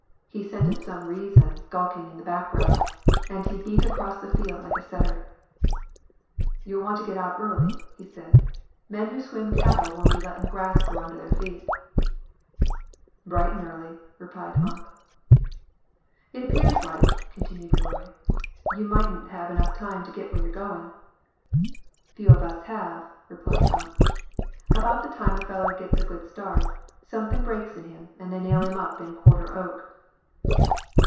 He scented some reason skulking in the background, and he beat across the field like a setter. "You'll want to get out early," he said. "Men who swim cattle won't be lettin' grass grow under their feet." "Bright an' early," replied Ump. "It appears like," continued Roy, "you mightn't have time enough to get where you're goin'." "Few of us have," replied Ump. "About the time a feller gits a good start, somethin' breaks in him an' they nail him up in quarter oak."